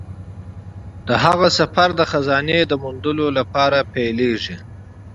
د هغه سفر د خزانې د موندلو لپاره پیلیږي.